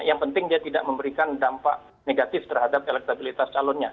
yang penting dia tidak memberikan dampak negatif terhadap elektabilitas calonnya